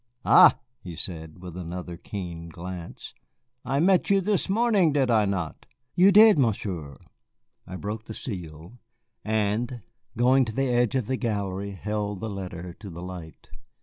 "Ah," he said, with another keen glance, "I met you this morning, did I not?" "You did, Monsieur." He broke the seal, and, going to the edge of the gallery, held the letter to the light.